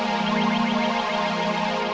aku harus kembali